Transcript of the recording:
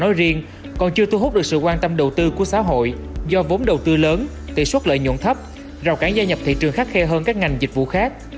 ngành công nghiệp hỗ trợ nói riêng còn chưa thu hút được sự quan tâm đầu tư của xã hội do vốn đầu tư lớn tỷ suất lợi nhuận thấp rào cản gia nhập thị trường khắc khe hơn các ngành dịch vụ khác